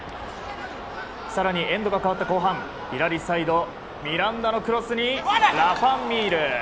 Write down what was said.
更にエンドが変わった後半左サイド、ミランダのクロスにラファ・ミール。